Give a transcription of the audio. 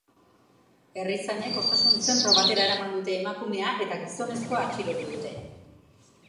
Herrizainek osasun-zentro batera eraman dute emakumea, eta gizonezkoa atxilotu dute.